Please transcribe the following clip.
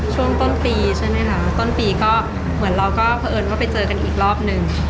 ช่วงต้นปีใช่ไหมคะต้นปีก็เหมือนเราก็เผอิญว่าไปเจอกันอีกรอบนึง